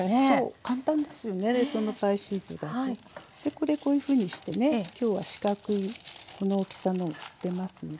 これこういうふうにしてね今日は四角いこの大きさの売ってますので。